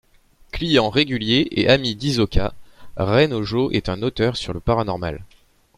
Client régulier et ami d'Hisoka, Ren Hojo est un auteur sur le paranormal.